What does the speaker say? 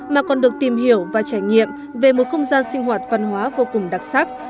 mà còn được tìm hiểu và trải nghiệm về một không gian sinh hoạt văn hóa vô cùng đặc sắc